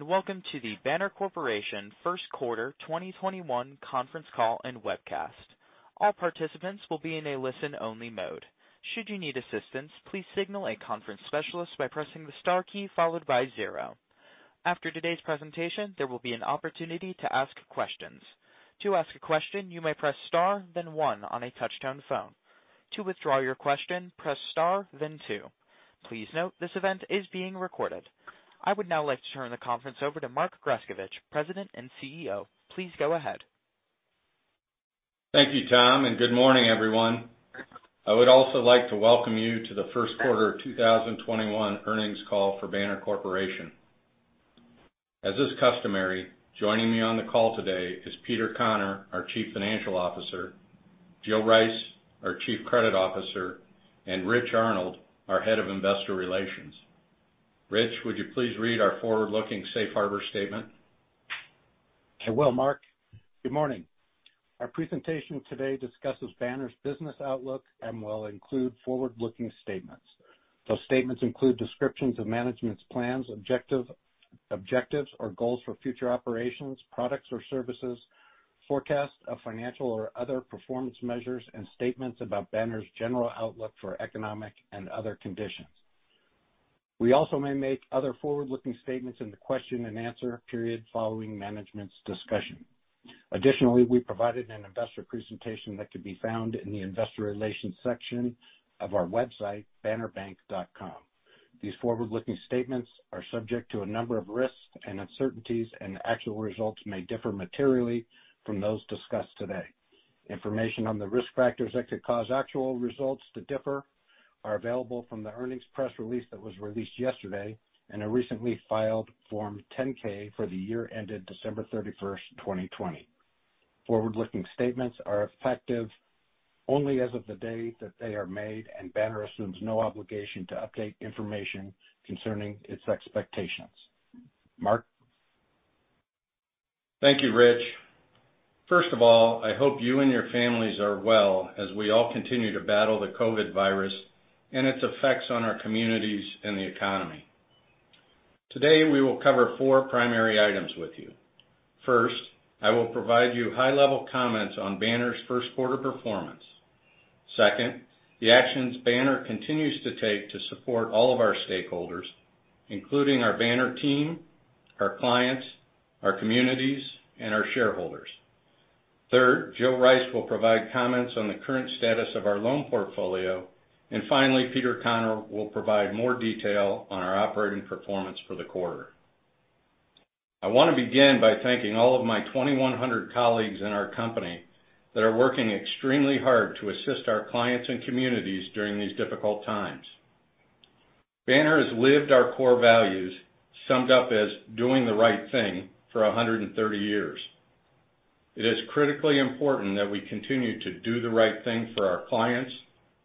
Good day. Welcome to the Banner Corporation First Quarter 2021 Conference Call and Webcast. All participants will be in a listen-only mode. Should you need assistance, please signal a conference specialist by pressing the star key followed by zero. After today's presentation, there will be an opportunity to ask questions. To ask a question, you may press star then one on a touch-tone phone. To withdraw your question, press star, then two. Please note, this event is being recorded. I would now like to turn the conference over to Mark Grescovich, President and CEO. Please go ahead. Thank you, Tom, and good morning, everyone. I would also like to welcome you to the First Quarter of 2021 Earnings Call for Banner Corporation. As is customary, joining me on the call today is Peter Conner, our Chief Financial Officer, Jill M. Rice, our Chief Credit Officer, and Rich Arnold, our Head of Investor Relations. Rich, would you please read our forward-looking safe harbor statement? I will, Mark. Good morning. Our presentation today discusses Banner's business outlook and will include forward-looking statements. Those statements include descriptions of management's plans, objectives or goals for future operations, products or services, forecasts of financial or other performance measures, and statements about Banner's general outlook for economic and other conditions. Additionally, we also may make other forward-looking statements in the question and answer period following management's discussion. We provided an investor presentation that can be found in the investor relations section of our website, bannerbank.com. These forward-looking statements are subject to a number of risks and uncertainties, and actual results may differ materially from those discussed today. Information on the risk factors that could cause actual results to differ are available from the earnings press release that was released yesterday and a recently filed Form 10-K for the year ended December 31st, 2020. Forward-looking statements are effective only as of the date that they are made, and Banner assumes no obligation to update information concerning its expectations. Mark? Thank you, Rich. First of all, I hope you and your families are well as we all continue to battle the COVID virus and its effects on our communities and the economy. Today, we will cover four primary items with you. First, I will provide you high-level comments on Banner's first quarter performance. Second, the actions Banner continues to take to support all of our stakeholders, including our Banner team, our clients, our communities, and our shareholders. Third, Jill Rice will provide comments on the current status of our loan portfolio. Finally, Peter Conner will provide more detail on our operating performance for the quarter. I want to begin by thanking all of my 2,100 colleagues in our company that are working extremely hard to assist our clients and communities during these difficult times. Banner has lived our core values, summed up as doing the right thing, for 130 years. It is critically important that we continue to do the right thing for our clients,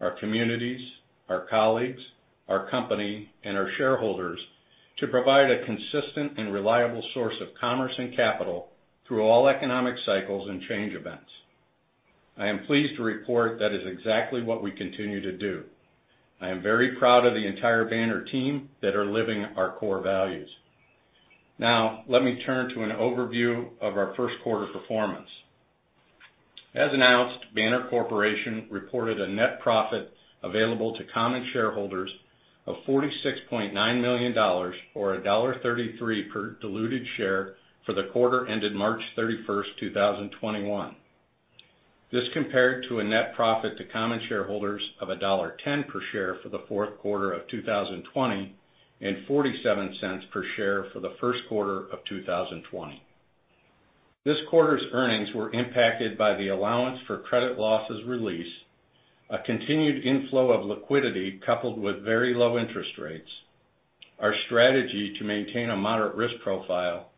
our communities, our colleagues, our company, and our shareholders to provide a consistent and reliable source of commerce and capital through all economic cycles and change events. I am pleased to report that is exactly what we continue to do. I am very proud of the entire Banner team that are living our core values. Now, let me turn to an overview of our first quarter performance. As announced, Banner Corporation reported a net profit available to common shareholders of $46.9 million or $1.33 per diluted share for the quarter ended March 31st, 2021. This compared to a net profit to common shareholders of $1.10 per share for the fourth quarter of 2020 and $0.47 per share for the first quarter of 2020. This quarter's earnings were impacted by the allowance for credit losses release, a continued inflow of liquidity, coupled with very low interest rates, our strategy to maintain a moderate risk profile,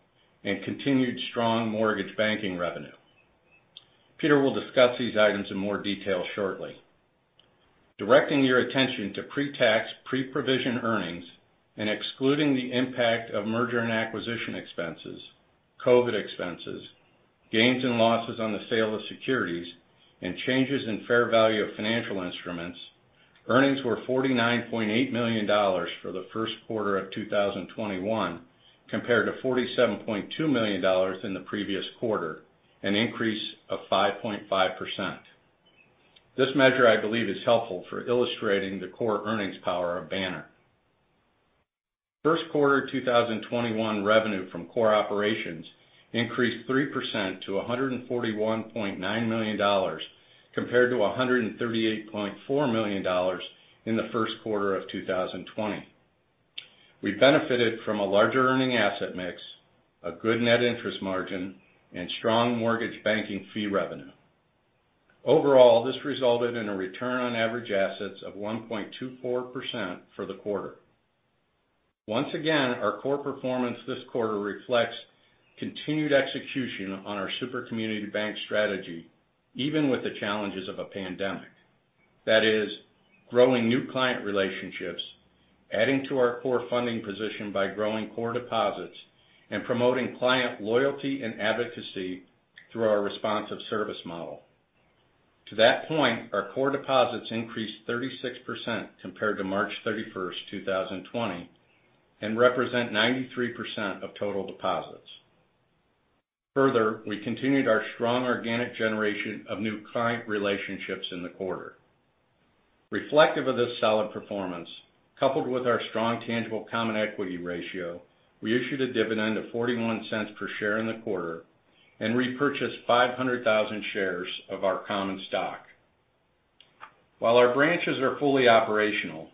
and continued strong mortgage banking revenue. Peter will discuss these items in more detail shortly. Directing your attention to pre-tax, pre-provision earnings and excluding the impact of merger and acquisition expenses, COVID expenses, gains and losses on the sale of securities, and changes in fair value of financial instruments, earnings were $49.8 million for the first quarter of 2021 compared to $47.2 million in the previous quarter, an increase of 5.5%. This measure, I believe, is helpful for illustrating the core earnings power of Banner. First quarter 2021 revenue from core operations increased 3% to $141.9 million compared to $138.4 million in the first quarter of 2020. We benefited from a larger earning asset mix, a good net interest margin, and strong mortgage banking fee revenue. Overall, this resulted in a return on average assets of 1.24% for the quarter. Once again, our core performance this quarter reflects continued execution on our super community bank strategy, even with the challenges of a pandemic. That is growing new client relationships, adding to our core funding position by growing core deposits, and promoting client loyalty and advocacy through our responsive service model. To that point, our core deposits increased 36% compared to March 31st, 2020, and represent 93% of total deposits. Further, we continued our strong organic generation of new client relationships in the quarter. Reflective of this solid performance, coupled with our strong tangible common equity ratio, we issued a dividend of $0.41 per share in the quarter and repurchased 500,000 shares of our common stock. While our branches are fully operational,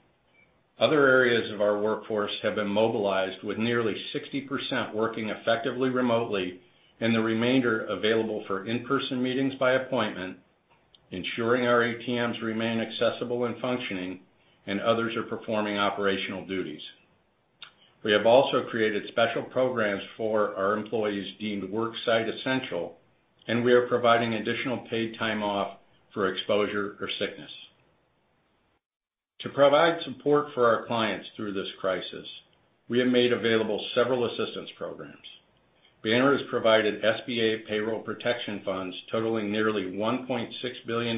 other areas of our workforce have been mobilized with nearly 60% working effectively remotely and the remainder available for in-person meetings by appointment, ensuring our ATMs remain accessible and functioning, and others are performing operational duties. We have also created special programs for our employees deemed worksite essential, and we are providing additional paid time off for exposure or sickness. To provide support for our clients through this crisis, we have made available several assistance programs. Banner has provided SBA payroll protection funds totaling nearly $1.6 billion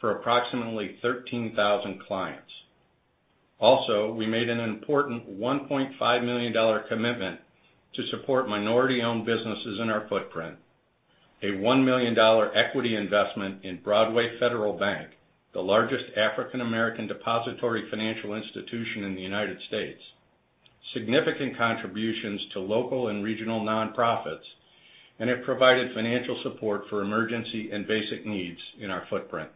for approximately 13,000 clients. We made an important $1.5 million commitment to support minority-owned businesses in our footprint, a $1 million equity investment in Broadway Federal Bank, the largest African American depository financial institution in the U.S., significant contributions to local and regional non-profits, and have provided financial support for emergency and basic needs in our footprint.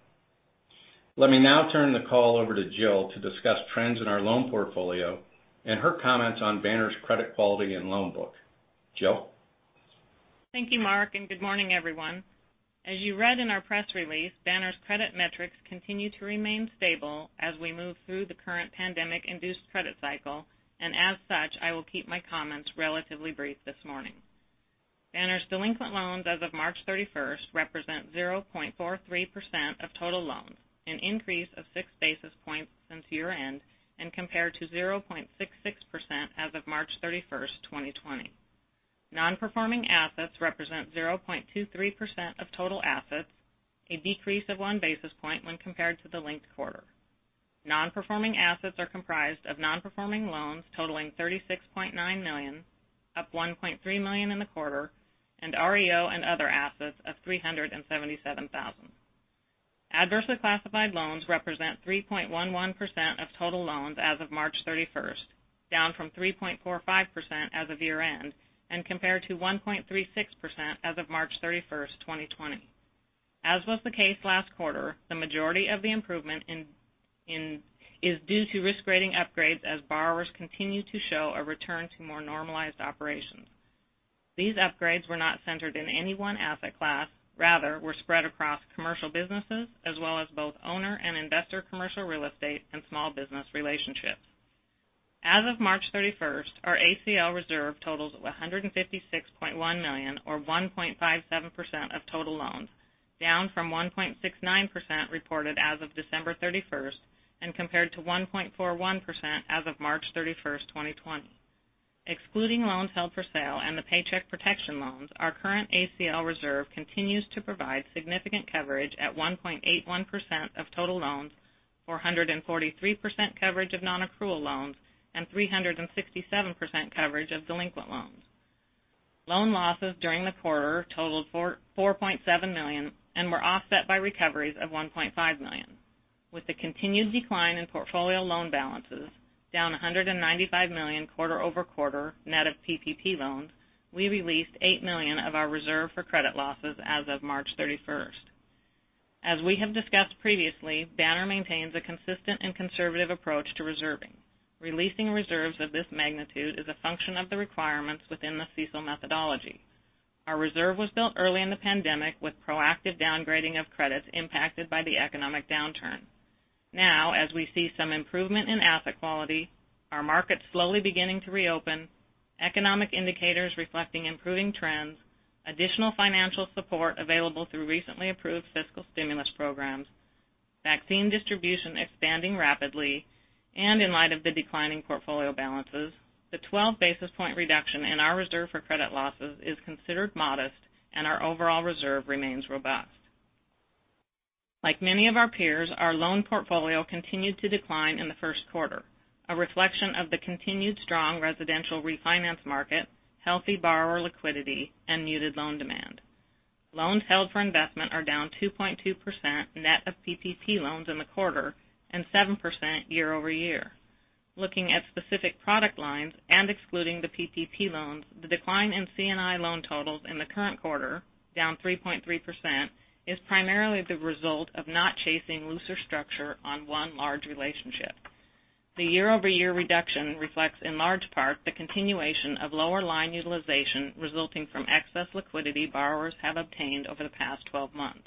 Let me now turn the call over to Jill to discuss trends in our loan portfolio and her comments on Banner's credit quality and loan book. Jill? Thank you, Mark. Good morning, everyone. As you read in our press release, Banner's credit metrics continue to remain stable as we move through the current pandemic-induced credit cycle. As such, I will keep my comments relatively brief this morning. Banner's delinquent loans as of March 31st represent 0.43% of total loans, an increase of 6 basis points since year-end and compared to 0.66% as of March 31st, 2020. Non-performing assets represent 0.23% of total assets, a decrease of one basis point when compared to the linked quarter. Non-performing assets are comprised of non-performing loans totaling $36.9 million, up $1.3 million in the quarter, and REO and other assets of $377,000. Adversely classified loans represent 3.11% of total loans as of March 31st, down from 3.45% as of year-end and compared to 1.36% as of March 31st, 2020. As was the case last quarter, the majority of the improvement is due to risk grading upgrades as borrowers continue to show a return to more normalized operations. These upgrades were not centered in any one asset class, rather were spread across commercial businesses as well as both owner and investor commercial real estate and small business relationships. As of March 31st, our ACL reserve totals $156.1 million, or 1.57% of total loans, down from 1.69% reported as of December 31st and compared to 1.41% as of March 31st, 2020. Excluding loans held for sale and the Paycheck Protection loans, our current ACL reserve continues to provide significant coverage at 1.81% of total loans, or 143% coverage of nonaccrual loans and 367% coverage of delinquent loans. Loan losses during the quarter totaled $4.7 million and were offset by recoveries of $1.5 million. With the continued decline in portfolio loan balances, down $195 million quarter-over-quarter net of PPP loans, we released $8 million of our reserve for credit losses as of March 31st. As we have discussed previously, Banner maintains a consistent and conservative approach to reserving. Releasing reserves of this magnitude is a function of the requirements within the CECL methodology. Our reserve was built early in the pandemic with proactive downgrading of credits impacted by the economic downturn. Now, as we see some improvement in asset quality, our markets slowly beginning to reopen, economic indicators reflecting improving trends, additional financial support available through recently approved fiscal stimulus programs, vaccine distribution expanding rapidly, and in light of the declining portfolio balances, the 12 basis points reduction in our reserve for credit losses is considered modest and our overall reserve remains robust. Like many of our peers, our loan portfolio continued to decline in the first quarter, a reflection of the continued strong residential refinance market, healthy borrower liquidity, and muted loan demand. Loans held for investment are down 2.2% net of PPP loans in the quarter and 7% year-over-year. Looking at specific product lines and excluding the PPP loans, the decline in C&I loan totals in the current quarter, down 3.3%, is primarily the result of not chasing looser structure on one large relationship. The year-over-year reduction reflects in large part the continuation of lower line utilization resulting from excess liquidity borrowers have obtained over the past 12 months.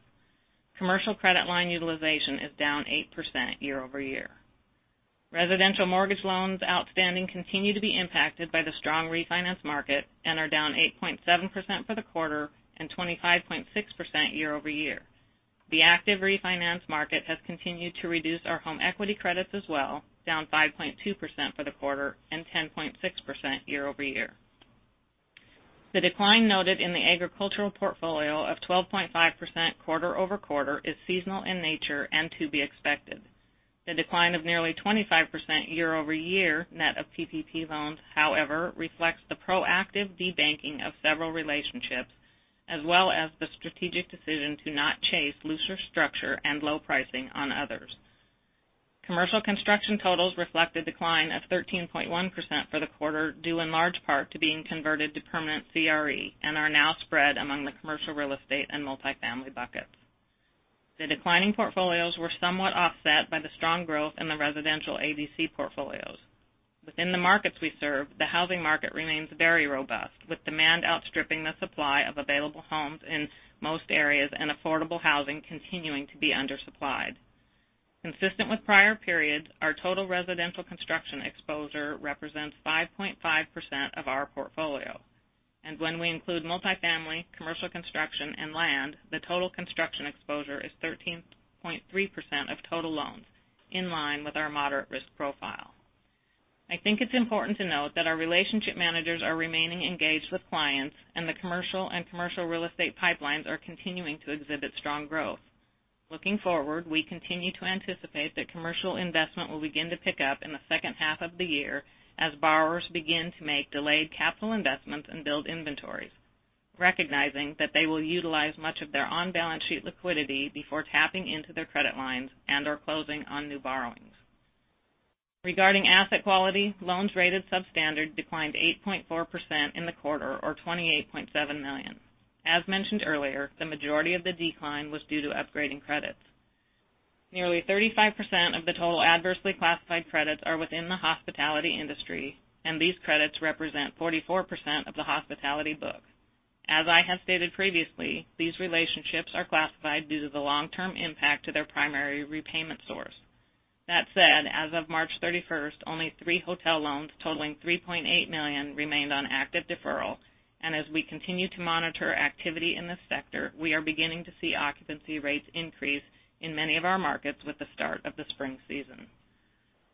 Commercial credit line utilization is down 8% year-over-year. Residential mortgage loans outstanding continue to be impacted by the strong refinance market and are down 8.7% for the quarter and 25.6% year-over-year. The active refinance market has continued to reduce our home equity credits as well, down 5.2% for the quarter and 10.6% year-over-year. The decline noted in the agricultural portfolio of 12.5% quarter-over-quarter is seasonal in nature and to be expected. The decline of nearly 25% year-over-year, net of PPP loans, however, reflects the proactive debanking of several relationships, as well as the strategic decision to not chase looser structure and low pricing on others. Commercial construction totals reflect a decline of 13.1% for the quarter, due in large part to being converted to permanent CRE and are now spread among the commercial real estate and multifamily buckets. The declining portfolios were somewhat offset by the strong growth in the residential ADC portfolios. Within the markets we serve, the housing market remains very robust, with demand outstripping the supply of available homes in most areas and affordable housing continuing to be undersupplied. Consistent with prior periods, our total residential construction exposure represents 5.5% of our portfolio. When we include multifamily, commercial construction, and land, the total construction exposure is 13.3% of total loans, in line with our moderate risk profile. I think it's important to note that our relationship managers are remaining engaged with clients, and the commercial and commercial real estate pipelines are continuing to exhibit strong growth. Looking forward, we continue to anticipate that commercial investment will begin to pick up in the second half of the year as borrowers begin to make delayed capital investments and build inventories, recognizing that they will utilize much of their on-balance-sheet liquidity before tapping into their credit lines and/or closing on new borrowings. Regarding asset quality, loans rated substandard declined 8.4% in the quarter, or $28.7 million. As mentioned earlier, the majority of the decline was due to upgrading credits. Nearly 35% of the total adversely classified credits are within the hospitality industry, and these credits represent 44% of the hospitality book. As I have stated previously, these relationships are classified due to the long-term impact to their primary repayment source. That said, as of March 31st, only three hotel loans totaling $3.8 million remained on active deferral. As we continue to monitor activity in this sector, we are beginning to see occupancy rates increase in many of our markets with the start of the spring season.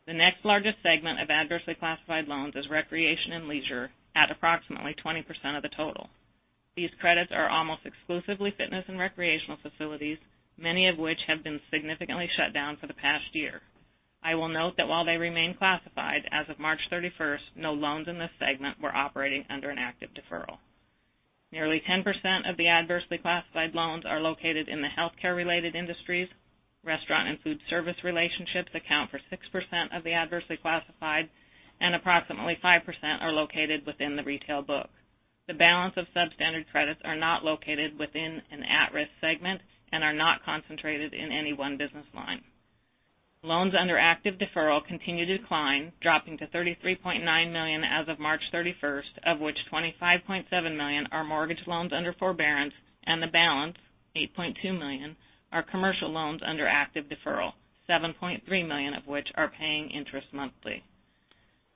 The next largest segment of adversely classified loans is recreation and leisure at approximately 20% of the total. These credits are almost exclusively fitness and recreational facilities, many of which have been significantly shut down for the past year. I will note that while they remain classified as of March 31st, no loans in this segment were operating under an active deferral. Nearly 10% of the adversely classified loans are located in the healthcare related industries. Restaurant and food service relationships account for 6% of the adversely classified, and approximately 5% are located within the retail book. The balance of substandard credits are not located within an at-risk segment and are not concentrated in any one business line. Loans under active deferral continue to decline, dropping to $33.9 million as of March 31st, of which $25.7 million are mortgage loans under forbearance, and the balance, $8.2 million, are commercial loans under active deferral, $7.3 million of which are paying interest monthly.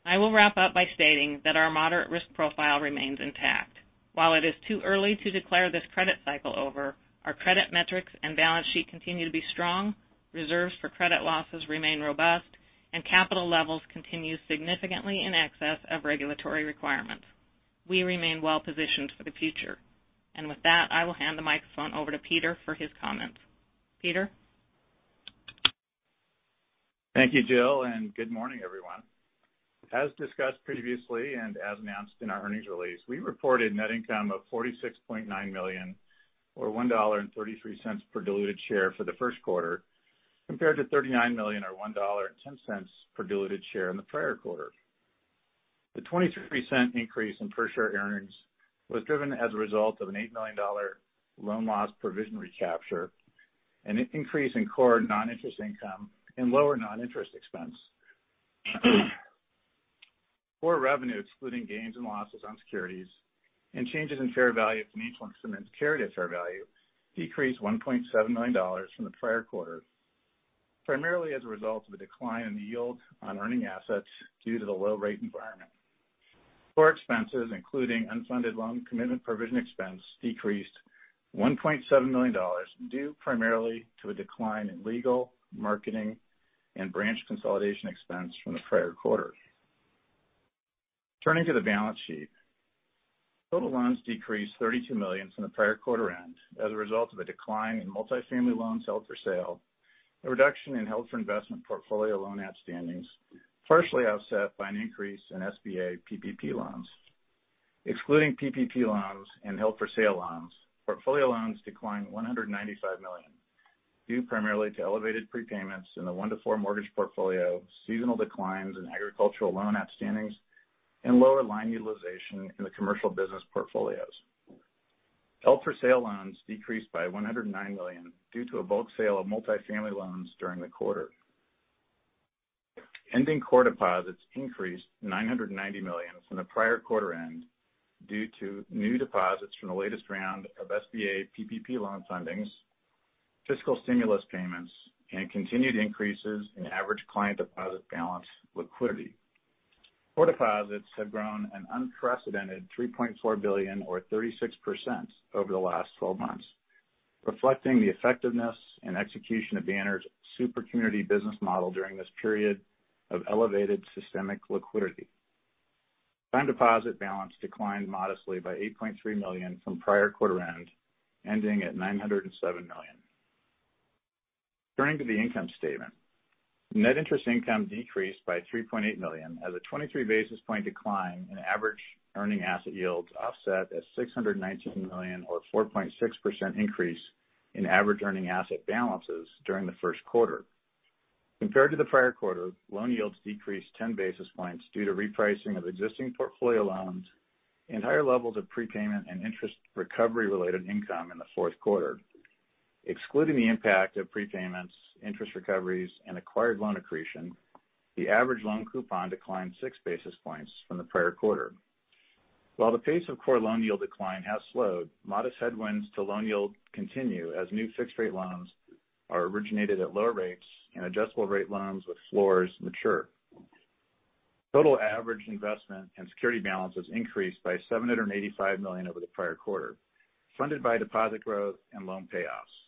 I will wrap up by stating that our moderate risk profile remains intact. While it is too early to declare this credit cycle over, our credit metrics and balance sheet continue to be strong, reserves for credit losses remain robust, and capital levels continue significantly in excess of regulatory requirements. We remain well positioned for the future. With that, I will hand the microphone over to Peter for his comments. Peter? Thank you, Jill, and good morning, everyone. As discussed previously and as announced in our earnings release, we reported net income of $46.9 million or $1.33 per diluted share for the first quarter, compared to $39 million or $1.10 per diluted share in the prior quarter. The $0.23 increase in per-share earnings was driven as a result of an $8 million loan loss provision recapture, and an increase in core non-interest income and lower non-interest expense. Core revenue, excluding gains and losses on securities and changes in fair value from instruments carried at fair value, decreased $1.7 million from the prior quarter, primarily as a result of a decline in the yield on earning assets due to the low rate environment. Core expenses, including unfunded loan commitment provision expense, decreased $1.7 million, due primarily to a decline in legal, marketing, and branch consolidation expense from the prior quarter. Turning to the balance sheet. Total loans decreased $32 million from the prior quarter end as a result of a decline in multifamily loans held for sale, a reduction in held for investment portfolio loan outstandings, partially offset by an increase in SBA PPP loans. Excluding PPP loans and held for sale loans, portfolio loans declined $195 million, due primarily to elevated prepayments in the one to four mortgage portfolio, seasonal declines in agricultural loan outstandings, and lower line utilization in the commercial business portfolios. Held for sale loans decreased by $109 million due to a bulk sale of multifamily loans during the quarter. Ending core deposits increased $990 million from the prior quarter end due to new deposits from the latest round of SBA PPP loan fundings, fiscal stimulus payments, and continued increases in average client deposit balance liquidity. Core deposits have grown an unprecedented $3.4 billion or 36% over the last 12 months. Reflecting the effectiveness and execution of Banner's super community business model during this period of elevated systemic liquidity. Time deposit balance declined modestly by $8.3 million from prior quarter end, ending at $907 million. Turning to the income statement. Net interest income decreased by $3.8 million as a 23 basis point decline in average earning asset yields offset a $619 million or 4.6% increase in average earning asset balances during the first quarter. Compared to the prior quarter, loan yields decreased 10 basis points due to repricing of existing portfolio loans and higher levels of prepayment and interest recovery-related income in the fourth quarter. Excluding the impact of prepayments, interest recoveries, and acquired loan accretion, the average loan coupon declined six basis points from the prior quarter. While the pace of core loan yield decline has slowed, modest headwinds to loan yield continue as new fixed-rate loans are originated at lower rates and adjustable rate loans with floors mature. Total average investment and security balances increased by $785 million over the prior quarter, funded by deposit growth and loan payoffs.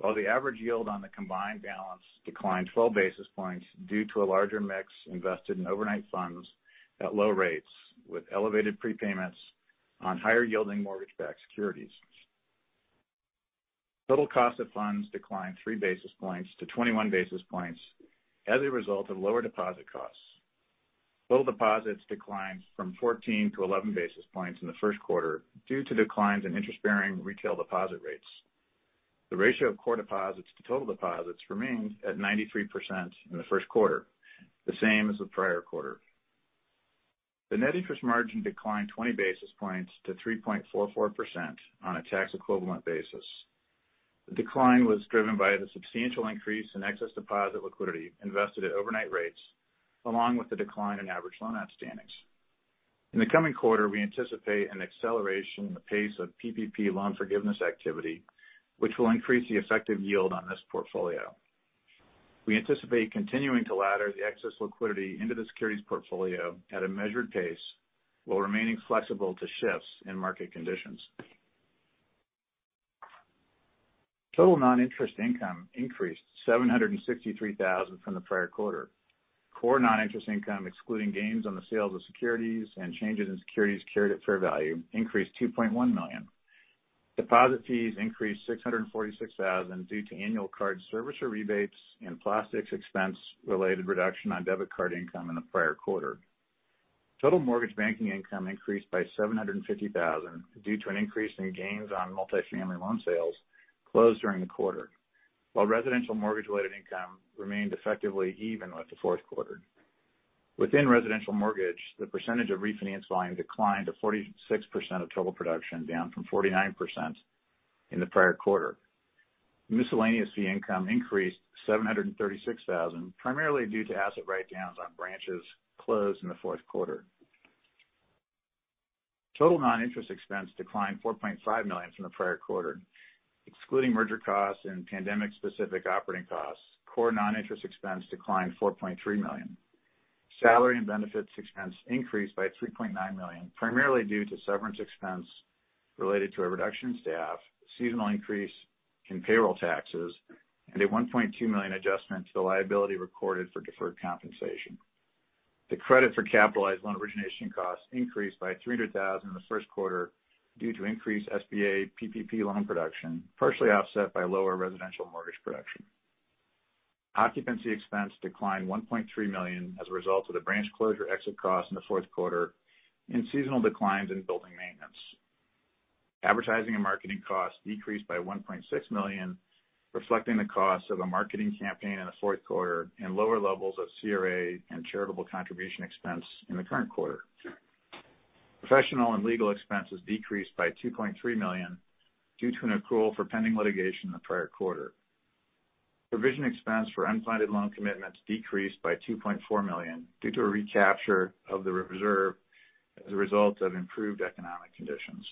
While the average yield on the combined balance declined 12 basis points due to a larger mix invested in overnight funds at low rates with elevated prepayments on higher yielding mortgage-backed securities. Total cost of funds declined three basis points to 21 basis points as a result of lower deposit costs. Total deposits declined from 14 to 11 basis points in the first quarter due to declines in interest-bearing retail deposit rates. The ratio of core deposits to total deposits remained at 93% in the first quarter, the same as the prior quarter. The net interest margin declined 20 basis points to 3.44% on a tax equivalent basis. The decline was driven by the substantial increase in excess deposit liquidity invested at overnight rates along with the decline in average loan outstandings. In the coming quarter, we anticipate an acceleration in the pace of PPP loan forgiveness activity, which will increase the effective yield on this portfolio. We anticipate continuing to ladder the excess liquidity into the securities portfolio at a measured pace while remaining flexible to shifts in market conditions. Total non-interest income increased $763,000 from the prior quarter. Core non-interest income, excluding gains on the sales of securities and changes in securities carried at fair value, increased $2.1 million. Deposit fees increased $646,000 due to annual card servicer rebates and plastics expense related reduction on debit card income in the prior quarter. Total mortgage banking income increased by $750,000 due to an increase in gains on multifamily loan sales closed during the quarter. While residential mortgage-related income remained effectively even with the fourth quarter. Within residential mortgage, the percentage of refinance volume declined to 46% of total production, down from 49% in the prior quarter. Miscellaneous fee income increased $736,000, primarily due to asset write-downs on branches closed in the fourth quarter. Total non-interest expense declined $4.5 million from the prior quarter. Excluding merger costs and pandemic-specific operating costs, core non-interest expense declined $4.3 million. Salary and benefits expense increased by $3.9 million, primarily due to severance expense related to a reduction in staff, seasonal increase in payroll taxes, and a $1.2 million adjustment to the liability recorded for deferred compensation. The credit for capitalized loan origination costs increased by $300,000 in the first quarter due to increased SBA PPP loan production, partially offset by lower residential mortgage production. Occupancy expense declined $1.3 million as a result of the branch closure exit cost in the fourth quarter and seasonal declines in building maintenance. Advertising and marketing costs decreased by $1.6 million, reflecting the cost of a marketing campaign in the fourth quarter and lower levels of CRA and charitable contribution expense in the current quarter. Professional and legal expenses decreased by $2.3 million due to an accrual for pending litigation in the prior quarter. Provision expense for unfunded loan commitments decreased by $2.4 million due to a recapture of the reserve as a result of improved economic conditions.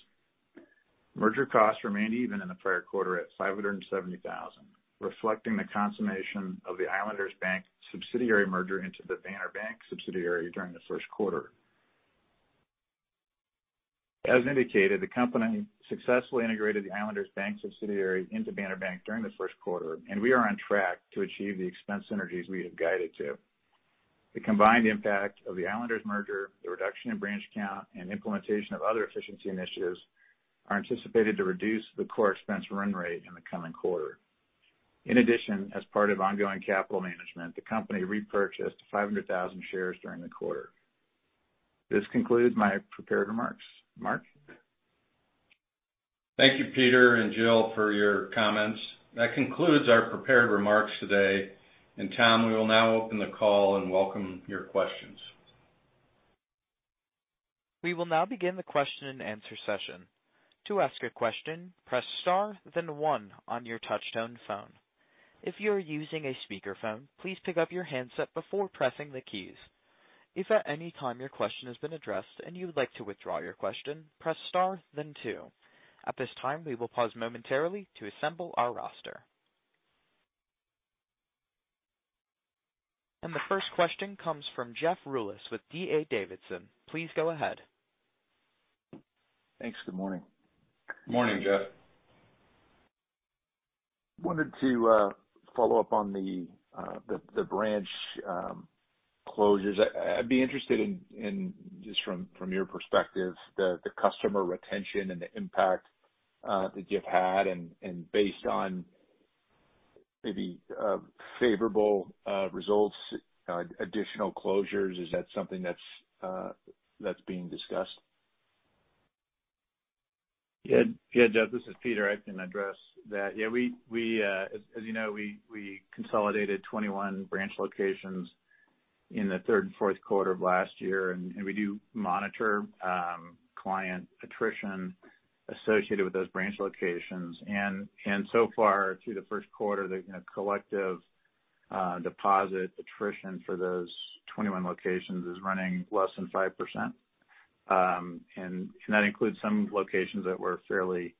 Merger costs remained even in the prior quarter at $570,000, reflecting the consummation of the Islanders Bank subsidiary merger into the Banner Bank subsidiary during the first quarter. As indicated, the company successfully integrated the Islanders Bank subsidiary into Banner Bank during the first quarter, and we are on track to achieve the expense synergies we have guided to. The combined impact of the Islanders merger, the reduction in branch count, and implementation of other efficiency initiatives are anticipated to reduce the core expense run rate in the coming quarter. In addition, as part of ongoing capital management, the company repurchased 500,000 shares during the quarter. This concludes my prepared remarks. Mark? Thank you, Peter and Jill, for your comments. That concludes our prepared remarks today. Tom, we will now open the call and welcome your questions. The first question comes from Jeff Rulis with D.A. Davidson. Please go ahead. Thanks. Good morning. Morning, Jeff. Wanted to follow up on the branch closures. I'd be interested in, just from your perspective, the customer retention and the impact that you've had and based on maybe favorable results, additional closures, is that something that's being discussed? Yeah, Jeff, this is Peter. I can address that. As you know, we consolidated 21 branch locations in the third and fourth quarter of last year, and we do monitor client attrition associated with those branch locations. So far, through the first quarter, the collective deposit attrition for those 21 locations is running less than 5%. That includes some locations that were fairly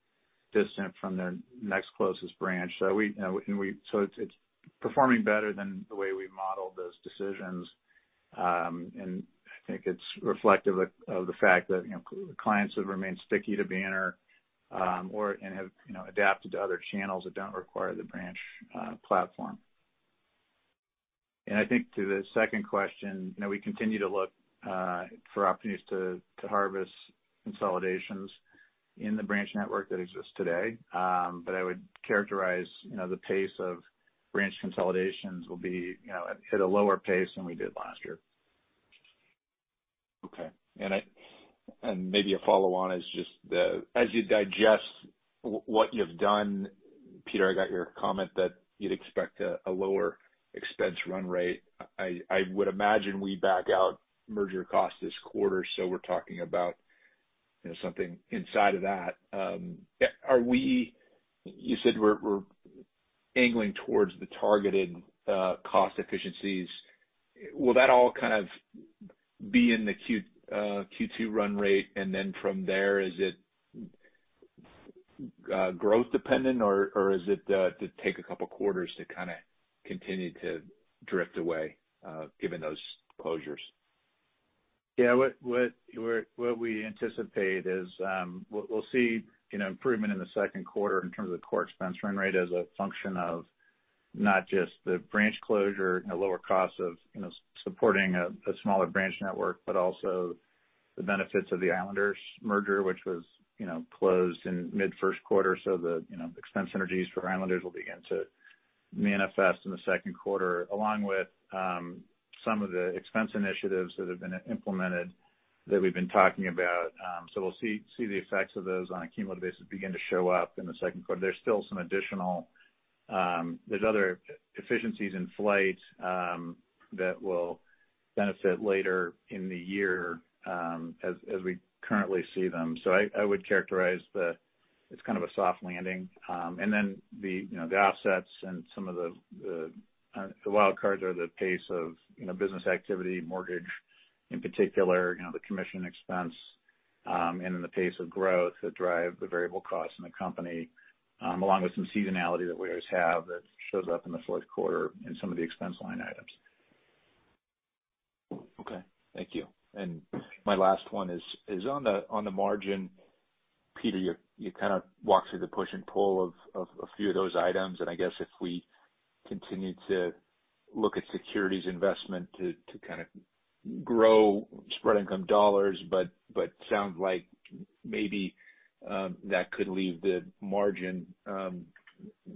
distant from their next closest branch. It's performing better than the way we modeled those decisions. I think it's reflective of the fact that clients have remained sticky to Banner or have adapted to other channels that don't require the branch platform. I think to the second question, we continue to look for opportunities to harvest consolidations in the branch network that exists today. I would characterize the pace of branch consolidations will hit a lower pace than we did last year. Okay. Maybe a follow on is just as you digest what you've done, Peter, I got your comment that you'd expect a lower expense run rate. I would imagine we back out merger cost this quarter, so we're talking about something inside of that. You said we're angling towards the targeted cost efficiencies. Will that all kind of be in the Q2 run rate? Then from there, is it growth dependent or is it to take a couple quarters to kind of continue to drift away given those closures? Yeah. What we anticipate is we'll see improvement in the second quarter in terms of the core expense run rate as a function of not just the branch closure and the lower cost of supporting a smaller branch network, but also the benefits of the Islanders merger, which was closed in mid first quarter. The expense synergies for Islanders will begin to manifest in the second quarter, along with some of the expense initiatives that have been implemented that we've been talking about. We'll see the effects of those on a cumulative basis begin to show up in the second quarter. There's other efficiencies in flight that will benefit later in the year as we currently see them. I would characterize that it's kind of a soft landing. The offsets and some of the wild cards are the pace of business activity, mortgage in particular, the commission expense and then the pace of growth that drive the variable costs in the company, along with some seasonality that we always have that shows up in the fourth quarter in some of the expense line items. Okay. Thank you. My last one is on the margin. Peter, you kind of walked through the push and pull of a few of those items, and I guess if we continue to look at securities investment to kind of grow spread income dollars, but sounds like maybe that could leave the margin,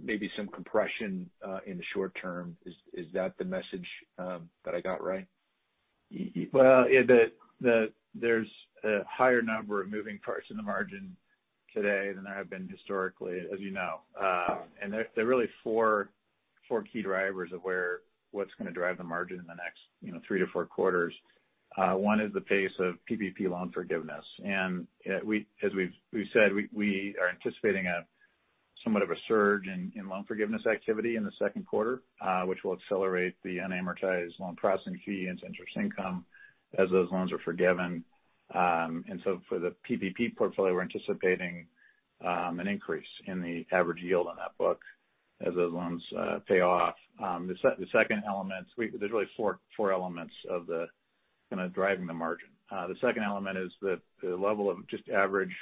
maybe some compression in the short term. Is that the message that I got right? Well, there's a higher number of moving parts in the margin today than there have been historically, as you know. There are really four key drivers of what's going to drive the margin in the next three to four quarters. One is the pace of PPP loan forgiveness. As we've said, we are anticipating somewhat of a surge in loan forgiveness activity in the second quarter, which will accelerate the unamortized loan processing fee into interest income as those loans are forgiven. For the PPP portfolio, we're anticipating an increase in the average yield on that book as those loans pay off. There's really four elements of kind of driving the margin. The second element is the level of just average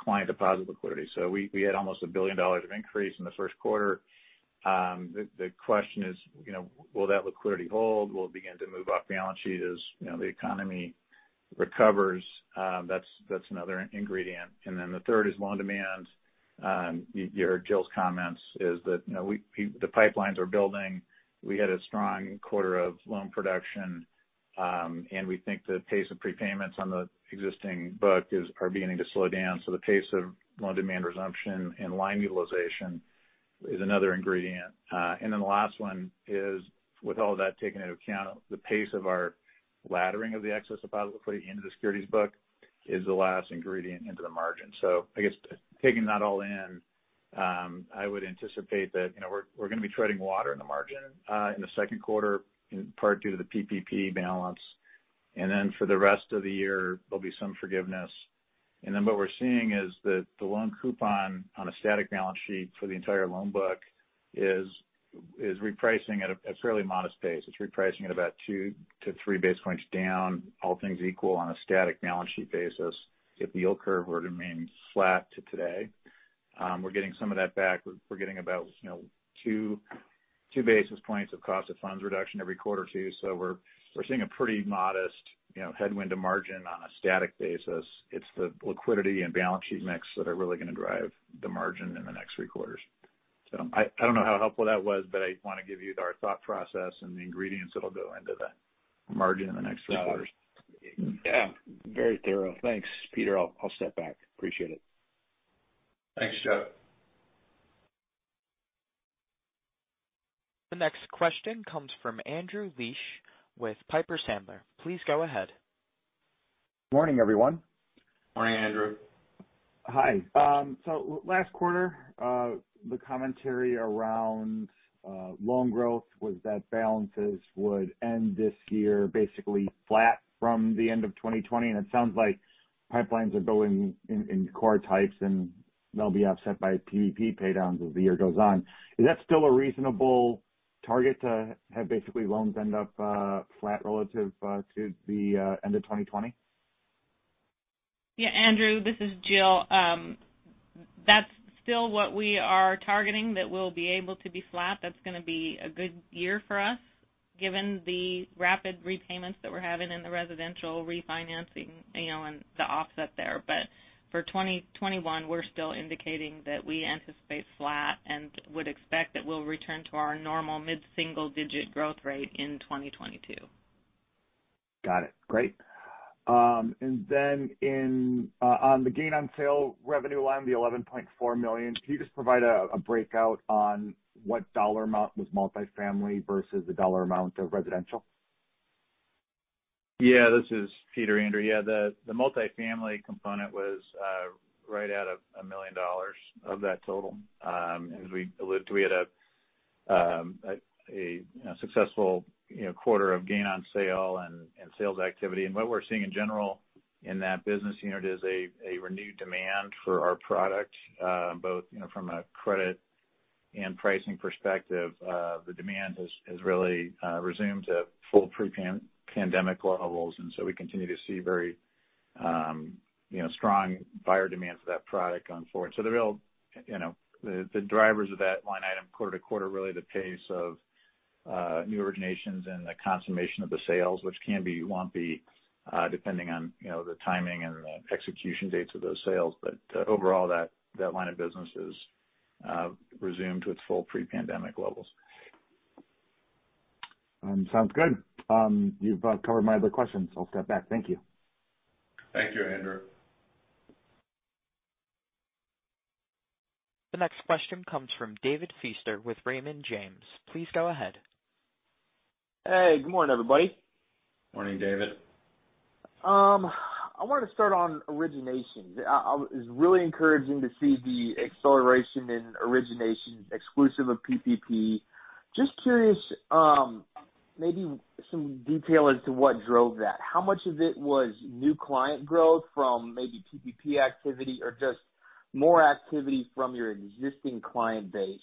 client deposit liquidity. We had almost a $1 billion of increase in the first quarter. The question is, will that liquidity hold? Will it begin to move off the balance sheet as the economy recovers? That's another ingredient. The third is loan demand. You heard Jill's comments is that the pipelines are building. We had a strong quarter of loan production, and we think the pace of prepayments on the existing book are beginning to slow down. The pace of loan demand resumption and line utilization is another ingredient. The last one is, with all that taken into account, the pace of our laddering of the excess deposit liquidity into the securities book is the last ingredient into the margin. I guess taking that all in, I would anticipate that we're going to be treading water in the margin in the second quarter, in part due to the PPP balance. For the rest of the year, there'll be some forgiveness. What we're seeing is that the loan coupon on a static balance sheet for the entire loan book is repricing at a fairly modest pace. It's repricing at about two to three basis points down, all things equal, on a static balance sheet basis, if the yield curve were to remain flat to today. We're getting some of that back. We're getting about two basis points of cost of funds reduction every quarter, too. We're seeing a pretty modest headwind to margin on a static basis. It's the liquidity and balance sheet mix that are really going to drive the margin in the next three quarters. I don't know how helpful that was, but I want to give you our thought process and the ingredients that'll go into the margin in the next three quarters. Very thorough. Thanks, Peter. I'll step back. Appreciate it. Thanks, Jeff. The next question comes from Andrew Liesch with Piper Sandler. Please go ahead. Morning, everyone. Morning, Andrew. Hi. Last quarter, the commentary around loan growth was that balances would end this year basically flat from the end of 2020, and it sounds like pipelines are building in core types, and they'll be offset by PPP paydowns as the year goes on. Is that still a reasonable target to have basically loans end up flat relative to the end of 2020? Yeah, Andrew, this is Jill. That's still what we are targeting, that we'll be able to be flat. That's going to be a good year for us given the rapid repayments that we're having in the residential refinancing and the offset there. For 2021, we're still indicating that we anticipate flat and would expect that we'll return to our normal mid-single digit growth rate in 2022. Got it. Great. On the gain on sale revenue line, the $11.4 million, can you just provide a breakout on what dollar amount was multifamily versus the dollar amount of residential? Yeah, this is Peter, Andrew. Yeah, the multifamily component was right at $1 million of that total. As we alluded to, we had a successful quarter of gain on sale and sales activity. What we're seeing in general in that business unit is a renewed demand for our product both from a credit and pricing perspective. The demand has really resumed to full pre-pandemic levels. We continue to see very strong buyer demands for that product going forward. The drivers of that line item quarter to quarter are really the pace of new originations and the consummation of the sales, which can be lumpy depending on the timing and the execution dates of those sales. Overall, that line of business has resumed to its full pre-pandemic levels. Sounds good. You've covered my other questions. I'll step back. Thank you. Thank you, Andrew. The next question comes from David Feaster with Raymond James. Please go ahead. Hey, good morning, everybody. Morning, David. I wanted to start on originations. It was really encouraging to see the acceleration in originations exclusive of PPP. Just curious, maybe some detail as to what drove that. How much of it was new client growth from maybe PPP activity or just more activity from your existing client base?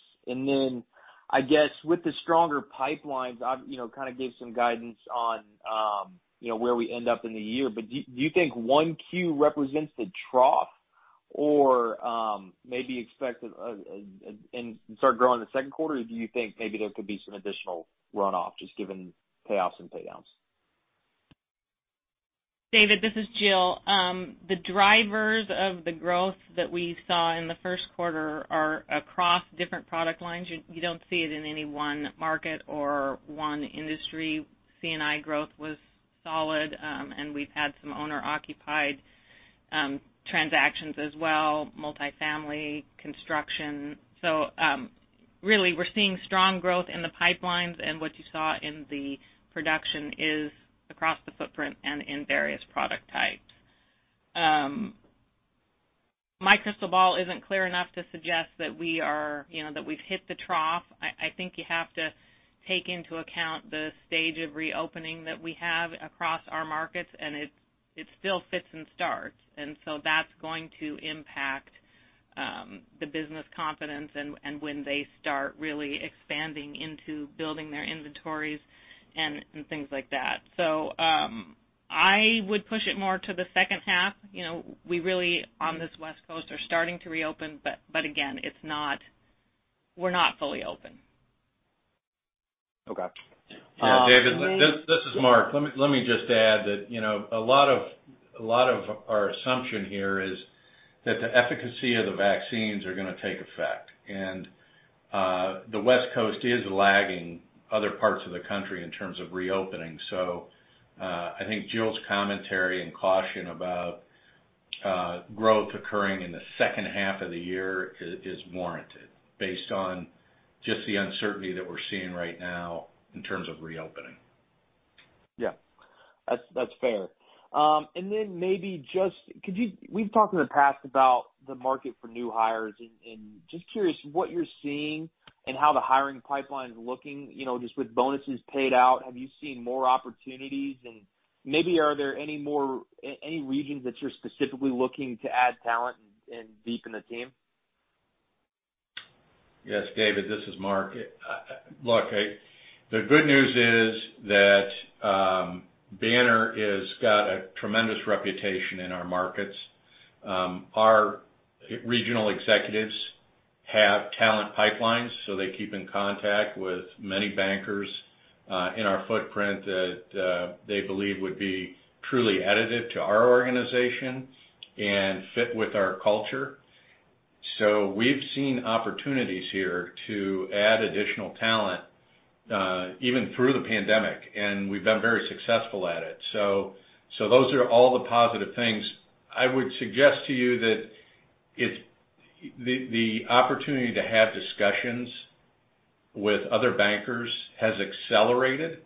I guess with the stronger pipelines, kind of gave some guidance on where we end up in the year. Do you think 1Q represents the trough or maybe expect and start growing the second quarter, or do you think maybe there could be some additional runoff just given payoffs and paydowns? David, this is Jill. The drivers of the growth that we saw in the first quarter are across different product lines. You don't see it in any one market or one industry. C&I growth was solid, and we've had some owner-occupied transactions as well, multifamily construction. Really, we're seeing strong growth in the pipelines, and what you saw in the production is across the footprint and in various product types. My crystal ball isn't clear enough to suggest that we've hit the trough. I think you have to take into account the stage of reopening that we have across our markets, and it still fits and starts. That's going to impact the business confidence and when they start really expanding into building their inventories and things like that. I would push it more to the second half. We really, on this West Coast, are starting to reopen, but again, we're not fully open. Okay. Yeah, David, this is Mark. Let me just add that a lot of our assumption here is that the efficacy of the vaccines are going to take effect. The West Coast is lagging other parts of the country in terms of reopening. I think Jill's commentary and caution about growth occurring in the second half of the year is warranted based on just the uncertainty that we're seeing right now in terms of reopening. Yeah. That's fair. Maybe just we've talked in the past about the market for new hires, and just curious what you're seeing and how the hiring pipeline's looking? Just with bonuses paid out, have you seen more opportunities? Maybe are there any regions that you're specifically looking to add talent and deepen the team? Yes, David, this is Mark. Look, the good news is that Banner has got a tremendous reputation in our markets. Our regional executives have talent pipelines, so they keep in contact with many bankers in our footprint that they believe would be truly additive to our organization and fit with our culture. We've seen opportunities here to add additional talent, even through the pandemic, and we've been very successful at it. Those are all the positive things. I would suggest to you that the opportunity to have discussions with other bankers has accelerated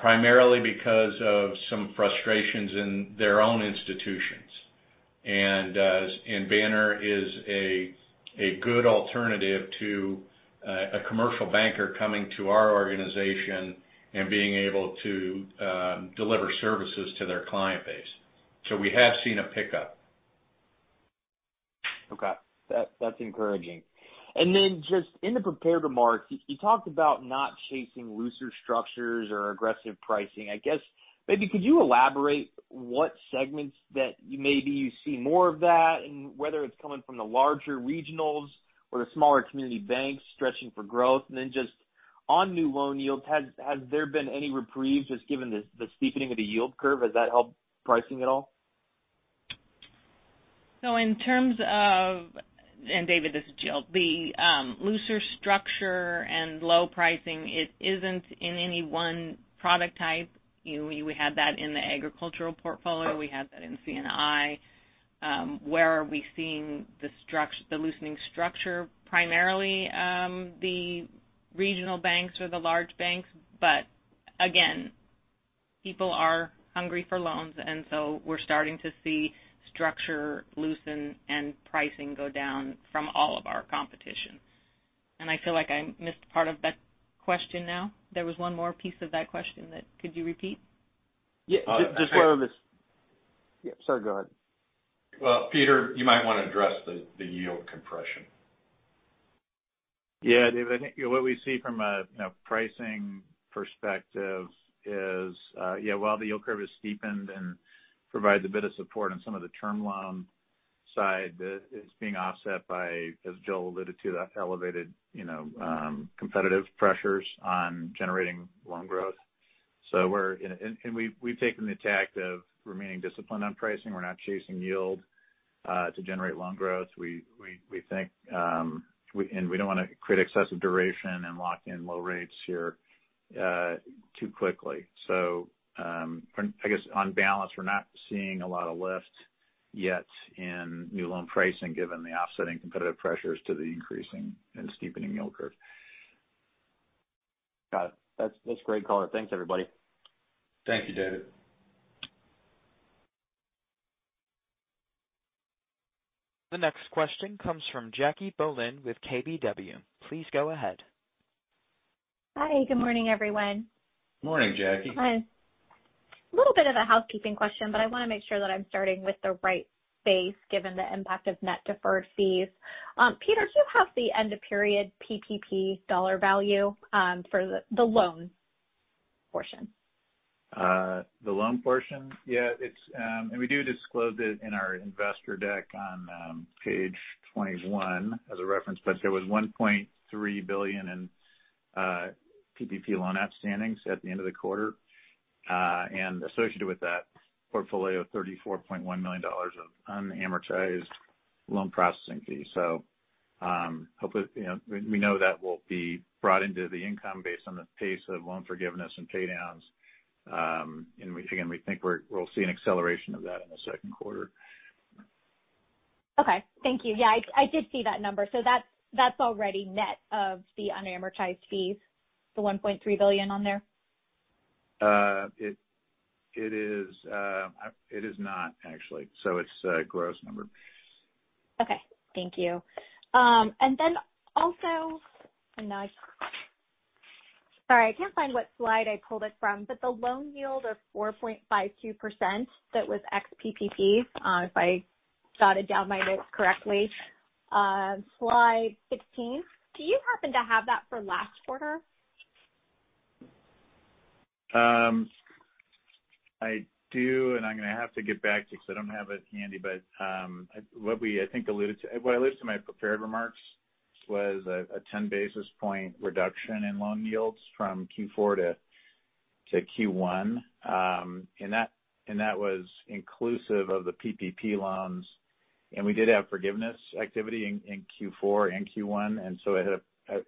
primarily because of some frustrations in their own institutions. Banner is a good alternative to a commercial banker coming to our organization and being able to deliver services to their client base. We have seen a pickup. Okay. That's encouraging. Just in the prepared remarks, you talked about not chasing looser structures or aggressive pricing. I guess, maybe could you elaborate what segments that maybe you see more of that, and whether it's coming from the larger regionals or the smaller community banks stretching for growth? Just on new loan yields, has there been any reprieves just given the steepening of the yield curve? Has that helped pricing at all? In terms of, and David, this is Jill, the looser structure and low pricing, it isn't in any one product type. We have that in the agricultural portfolio. We have that in C&I. Where are we seeing the loosening structure? Primarily, the regional banks or the large banks. Again, people are hungry for loans, we're starting to see structure loosen and pricing go down from all of our competition. I feel like I missed part of that question now. There was one more piece of that question. Could you repeat? Yeah. I Yeah, sorry. Go ahead. Well, Peter, you might want to address the yield compression. Yeah. David, I think what we see from a pricing perspective is while the yield curve has steepened and provides a bit of support on some of the term loan side, it's being offset by, as Jill alluded to, that elevated competitive pressures on generating loan growth. So we've taken the tact of remaining disciplined on pricing. We're not chasing yield to generate loan growth. We don't want to create excessive duration and lock in low rates here too quickly. So, I guess on balance, we're not seeing a lot of lift yet in new loan pricing given the offsetting competitive pressures to the increasing and steepening yield curve. Got it. That's great color. Thanks, everybody. Thank you, David. The next question comes from Jackie Bohlen with KBW. Please go ahead. Hi. Good morning, everyone. Morning, Jackie. Hi. A little bit of a housekeeping question, but I want to make sure that I'm starting with the right base given the impact of net deferred fees. Peter, do you have the end of period PPP dollar value for the loan portion? The loan portion? Yeah. We do disclose it in our investor deck on page 21 as a reference, but there was $1.3 billion in PPP loan outstandings at the end of the quarter. Associated with that portfolio, $34.1 million of unamortized loan processing fees. Hopefully, we know that will be brought into the income based on the pace of loan forgiveness and pay downs. Again, we think we'll see an acceleration of that in the second quarter. Okay. Thank you guys. Yeah, I did see that number. That's already net of the unamortized fees, the $1.3 billion on there? It is not actually. It's a gross number. Okay. Thank you. Sorry, I can't find what slide I pulled it from, the loan yield of 4.52% that was ex-PPP, if I jotted down my notes correctly, slide 16. Do you happen to have that for last quarter? I do, I'm going to have to get back to you because I don't have it handy. What I listed in my prepared remarks was a 10 basis point reduction in loan yields from Q4 to Q1. That was inclusive of the PPP loans. We did have forgiveness activity in Q4 and Q1, so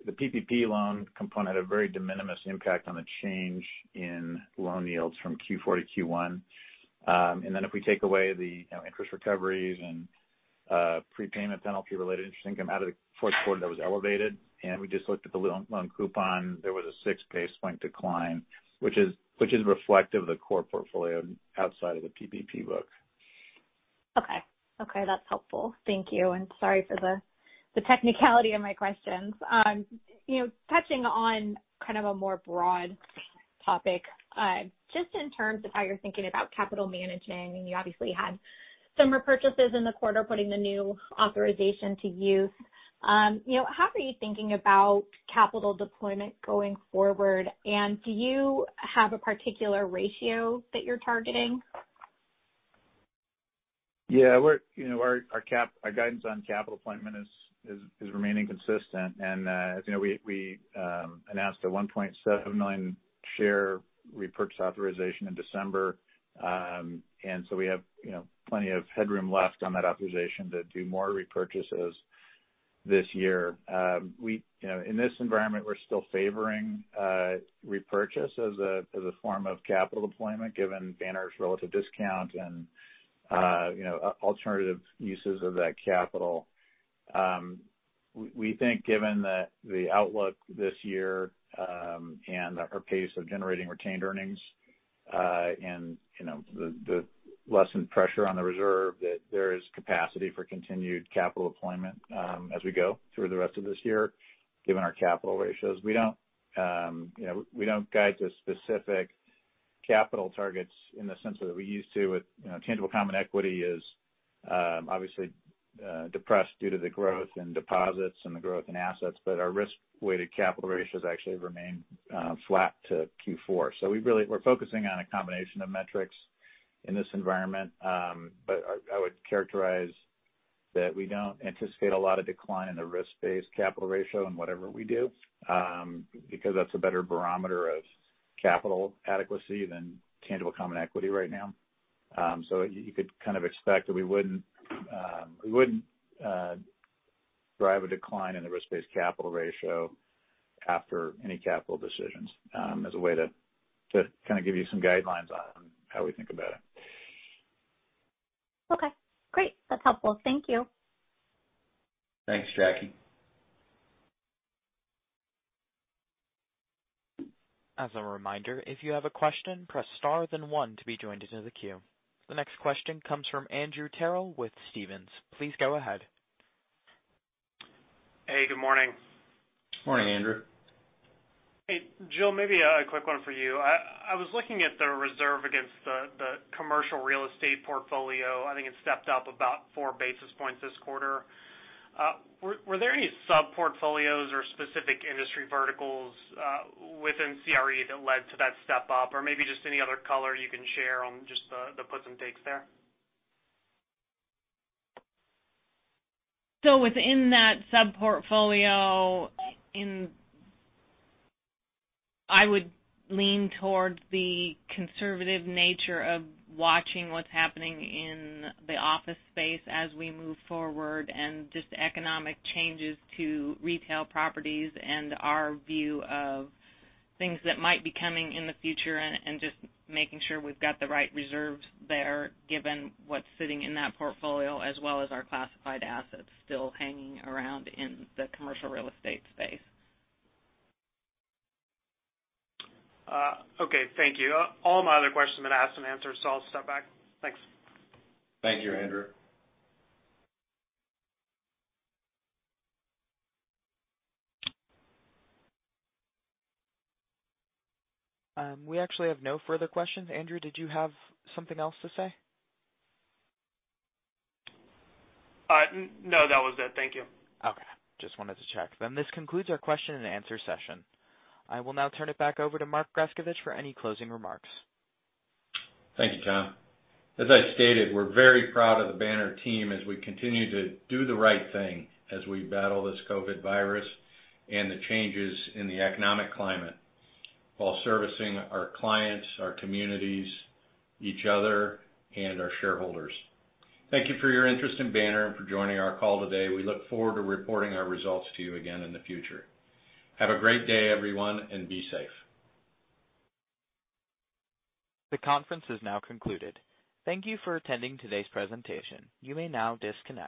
the PPP loan component had a very de minimis impact on the change in loan yields from Q4 to Q1. If we take away the interest recoveries and a prepayment penalty related interest income out of the fourth quarter that was elevated, we just looked at the loan coupon. There was a six basis point decline, which is reflective of the core portfolio outside of the PPP book. Okay. That's helpful. Thank you, and sorry for the technicality of my questions. Touching on kind of a more broad topic, just in terms of how you're thinking about capital management, and you obviously had some repurchases in the quarter, putting the new authorization to use. How are you thinking about capital deployment going forward? Do you have a particular ratio that you're targeting? Yeah. Our guidance on capital deployment is remaining consistent. As you know, we announced a 1.7 million share repurchase authorization in December. We have plenty of headroom left on that authorization to do more repurchases this year. In this environment, we're still favoring repurchase as a form of capital deployment, given Banner's relative discount and alternative uses of that capital. We think given the outlook this year and our pace of generating retained earnings, and the lessened pressure on the reserve, that there is capacity for continued capital deployment as we go through the rest of this year, given our capital ratios. We don't guide to specific capital targets in the sense that we used to with tangible common equity is obviously depressed due to the growth in deposits and the growth in assets. Our risk-weighted capital ratios actually remain flat to Q4. We're focusing on a combination of metrics in this environment. I would characterize that we don't anticipate a lot of decline in the risk-based capital ratio and whatever we do, because that's a better barometer of capital adequacy than tangible common equity right now. You could kind of expect that we wouldn't drive a decline in the risk-based capital ratio after any capital decisions, as a way to kind of give you some guidelines on how we think about it. Okay, great. That's helpful. Thank you. Thanks, Jackie. As a reminder, if you have a question, press star then one to be joined into the queue. The next question comes from Andrew Terrell with Stephens. Please go ahead. Hey, good morning. Morning, Andrew. Hey, Jill, maybe a quick one for you. I was looking at the reserve against the commercial real estate portfolio. I think it stepped up about four basis points this quarter. Were there any sub-portfolios or specific industry verticals within CRE that led to that step-up? Maybe just any other color you can share on just the puts and takes there? Within that sub-portfolio, I would lean towards the conservative nature of watching what's happening in the office space as we move forward and just economic changes to retail properties and our view of things that might be coming in the future and just making sure we've got the right reserves there given what's sitting in that portfolio as well as our classified assets still hanging around in the commercial real estate space. Okay. Thank you. All my other questions have been asked and answered, so I'll step back. Thanks. Thank you, Andrew. We actually have no further questions. Andrew, did you have something else to say? No, that was it. Thank you. Okay. Just wanted to check. This concludes our question and answer session. I will now turn it back over to Mark Grescovich for any closing remarks. Thank you, John. As I stated, we're very proud of the Banner team as we continue to do the right thing as we battle this COVID virus and the changes in the economic climate while servicing our clients, our communities, each other, and our shareholders. Thank you for your interest in Banner and for joining our call today. We look forward to reporting our results to you again in the future. Have a great day, everyone, and be safe. The conference is now concluded. Thank you for attending today's presentation. You may now disconnect.